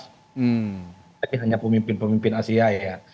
tapi hanya pemimpin pemimpin asia ya